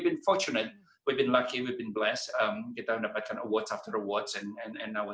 beruntung kita beruntung kita beruntung kita mendapatkan pemberian setelah pemberian dan saya